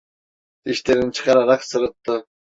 Dişlerini çıkararak sırıttı…